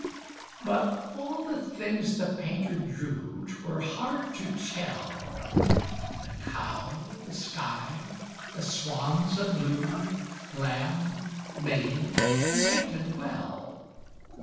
But all the things the painter drew 'Twere hard to tell The cow, the sky, the swans of blue, Lamb, maid, he painted well.